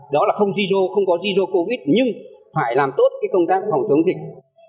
đó là không giro không có giro covid nhưng phải làm tốt công tác phòng chống dịch